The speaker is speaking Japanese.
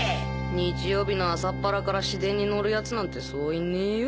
日曜日の朝っぱらから市電に乗るやつなんてそういねよ